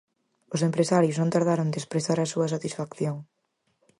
Os empresarios non tardaron de expresar a súa satisfacción.